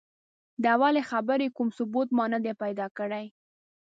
د اولې خبرې کوم ثبوت ما نه دی پیدا کړی.